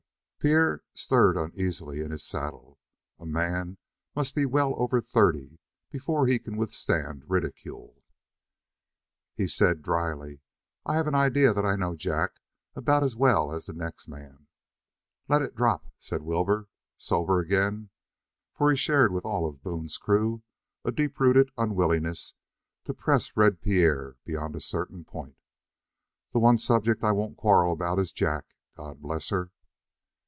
Pierre stirred uneasily in his saddle. A man must be well over thirty before he can withstand ridicule. He said dryly: "I've an idea that I know Jack's about as well as the next man." "Let it drop," said Wilbur, sober again, for he shared with all of Boone's crew a deep rooted unwillingness to press Red Pierre beyond a certain point. "The one subject I won't quarrel about is Jack, God bless her."